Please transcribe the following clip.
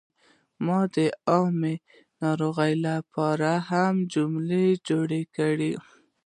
ما د عامو ناروغیو لپاره هم جملې جوړې کړې.